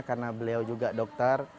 karena beliau juga dokter